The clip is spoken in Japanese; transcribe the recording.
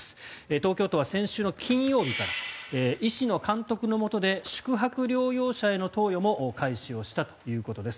東京都は先週金曜日から医師の監督のもとで宿泊療養者への投与も開始をしたということです。